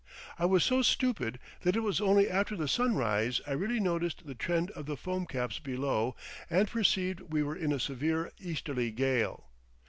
I was so stupid that it was only after the sunrise I really noticed the trend of the foam caps below, and perceived we were in a severe easterly gale.